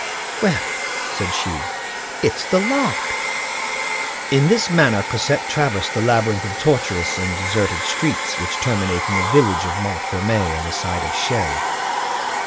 "Well," said she, "it's the Lark!" In this manner Cosette traversed the labyrinth of tortuous and deserted streets which terminate in the village of Montfermeil on the side of Chelles.